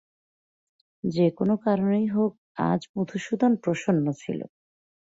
যে-কোনো কারণেই হোক আজ মধুসূদন প্রসন্ন ছিল।